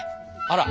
あら。